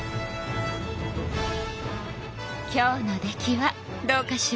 今日の出来はどうかしら？